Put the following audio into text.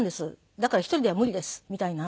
「だから１人では無理です」みたいな。